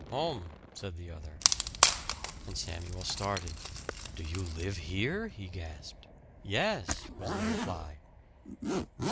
"Home," said the other. And Samuel started. "Do you live here?" he gasped. "Yes," was the reply.